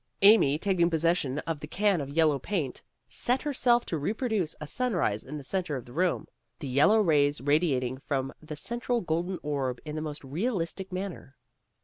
Amy taking possession of the can of yellow paint, set her self to reproduce a sunrise in the center of the room, the yellow rays radiating from the central golden orb in the most realistic manner.